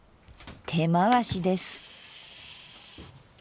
手回しです。